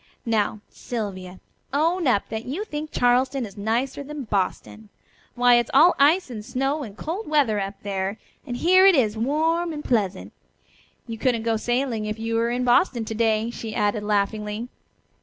"Now, Sylvia, own up that you think Charleston is nicer than Boston. Why, it is all ice and snow and cold weather up there, and here it is warm and pleasant. You couldn't go sailing if you were in Boston to day," she added laughingly.